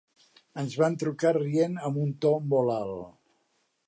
Ens van trucar rient amb un to molt alt.